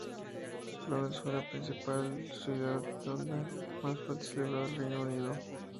Londres fue la primera ciudad en donde el mes fue celebrado en Reino Unido.